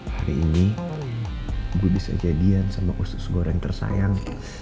hari ini gue bisa jadian sama khusus gue orang tersayang